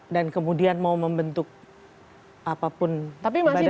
dan kemudian mau membentuk apapun badan baru